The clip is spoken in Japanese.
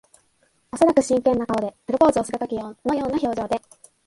おそらく真剣な顔で。プロポーズをするときのような表情で。